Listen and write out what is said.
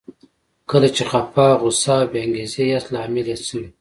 کله چې خپه، غوسه او بې انګېزې ياست لامل يې څه وي؟